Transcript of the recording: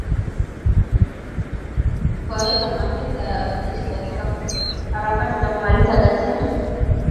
kuwaweka maafisa wa kijeshi katika harakati za kumaliza ghasia